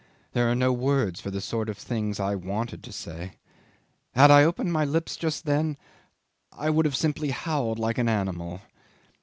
There are no words for the sort of things I wanted to say. If I had opened my lips just then I would have simply howled like an animal.